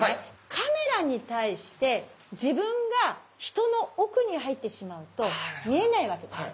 カメラに対して自分が人の奥に入ってしまうと見えないわけです。